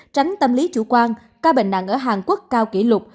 tránh tâm lý chủ quan ca bệnh nặng ở hàn quốc cao kỷ lục